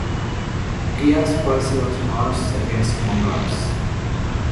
Ghiyas's policy was harsh against Mongols.